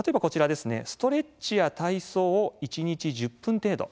ストレッチや体操を一日１０分程度。